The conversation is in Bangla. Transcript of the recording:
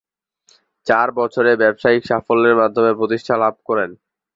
চার বছরে ব্যবসায়িক সাফল্যের মাধ্যমে প্রতিষ্ঠা লাভ করেন।